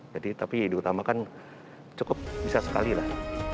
jadi tapi di utamakan cukup bisa sekali lah